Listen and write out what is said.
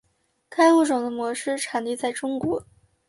该物种的模式产地在中国。